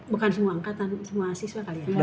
bukan semua angkatan semua siswa kali ya